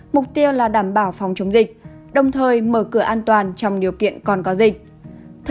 mục tiêu là đảm bảo phòng chống dịch đồng thời mở cửa an toàn trong điều kiện còn có dịch